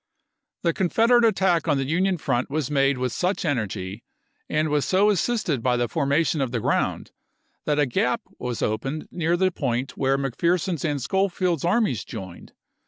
The Confederate attack on the Union front was made with such energy, and was so assisted by the formation of the ground, that a gap was opened near the point where Mc Pherson's and Schofield's armies joined.